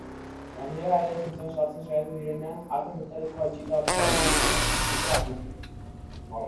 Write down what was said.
Gainera, eraikuntzan sartzen saiatu direnean ate metalikoa itxita aurkitu dute agenteek.